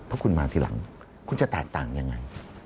เพราะคุณมาทีหลังคุณจะแตกต่างยังไง